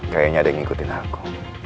kayaknya ada yang ngikutin aku